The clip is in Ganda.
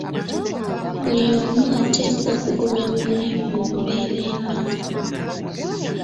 Buli omu ateekwa okugumya munne mu mbeera eno.